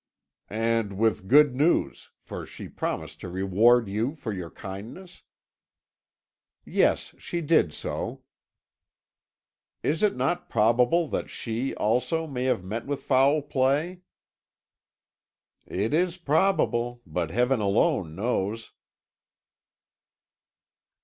"And with good news, for she promised to reward you for your kindness?" "Yes, she did so." "Is it not probable that she, also, may have met with foul play?" "It is probable; but Heaven alone knows!"